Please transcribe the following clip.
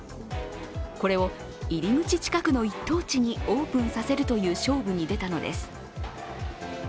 これを入り口近くの一等地にオープンさせるという勝負に出たのです。